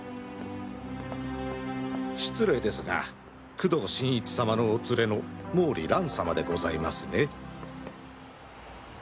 失礼ですが工藤新一様のお連れの毛利蘭様でございますね？